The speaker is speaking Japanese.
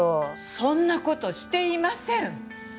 そんなことしていません。